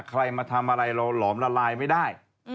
ใครมาทำอะไรเราหลอมละลายไม่ได้